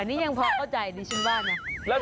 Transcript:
อันนี้ยังเข้าใจดีใช่หรือว่า